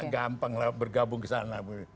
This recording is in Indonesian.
gampang lah bergabung kesana